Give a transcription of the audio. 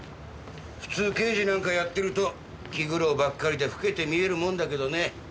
普通刑事なんかやってると気苦労ばっかりで老けて見えるもんだけどね。